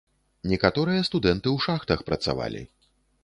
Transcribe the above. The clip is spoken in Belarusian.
Некаторыя студэнты ў шахтах працавалі.